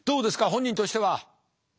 本人としては。